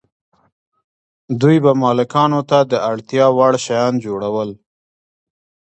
دوی به مالکانو ته د اړتیا وړ شیان جوړول.